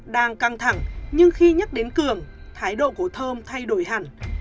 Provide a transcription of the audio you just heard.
đang căng thẳng nhưng khi nhắc đến cường thái độ của thơm thay đổi hẳn